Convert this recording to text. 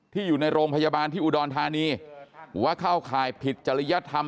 อยู่ในโรงพยาบาลที่อุดรธานีว่าเข้าข่ายผิดจริยธรรม